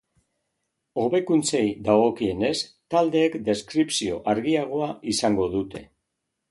Hobekuntzei dagokienez, taldeek deskripzio argiagoa izango dute.